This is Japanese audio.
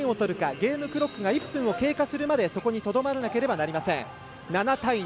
ゲームクロックが１分を経過するまでそこにとどまらなければいけません。